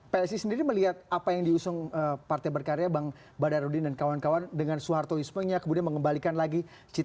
plc sendiri melihat apa yang diusung partai berkarya bang badarudin dan kawan kawan dengan suharto yusma yang kemudian mengembalikan lagi cita cita dan sebagainya